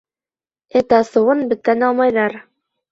Эт асыуын беттән алмайҙар.